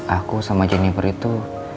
aku sama jennifer itu